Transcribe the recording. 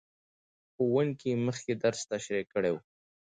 ښوونکی مخکې درس تشریح کړی و.